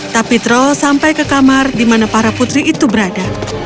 kapitral sampai ke kamar di mana para putri itu berada